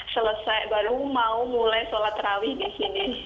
selesai baru mau mulai sholat rawih di sini